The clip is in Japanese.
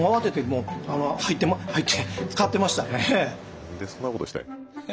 何でそんなことしたんや。